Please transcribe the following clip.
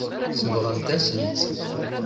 Sebɣent-asen-tt.